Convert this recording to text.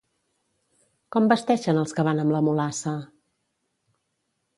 Com vesteixen els que van amb la Mulassa?